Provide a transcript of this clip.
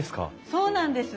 そうなんです。